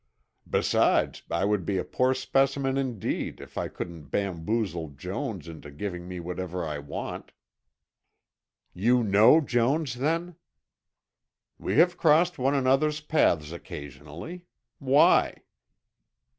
"Besides I would be a poor specimen indeed if I couldn't bamboozle Jones into giving me whatever I want." "You know Jones, then?" "We have crossed one another's paths occasionally. Why?"